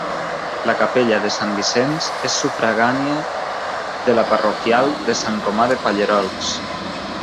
La capella de Sant Vicenç és sufragània de la parroquial de Sant Romà de Pallerols.